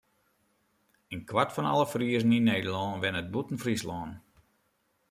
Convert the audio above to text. In kwart fan alle Friezen yn Nederlân wennet bûten Fryslân.